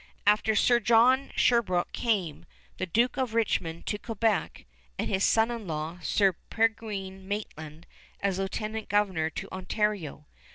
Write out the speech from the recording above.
After Sir John Sherbrooke came the Duke of Richmond to Quebec, and his son in law, Sir Peregrine Maitland, as lieutenant governor to Ontario.